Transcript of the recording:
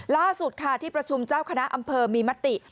ล่าสุดค่ะที่ประชุมเจ้าคณะอำเภอมีมติ